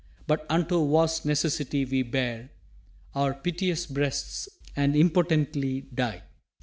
But unto War's necessity we bare Our piteous breasts and impotently die.